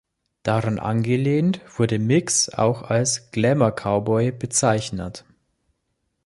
Daran angelehnt, wurde Mix auch als „Glamour-Cowboy“ bezeichnet.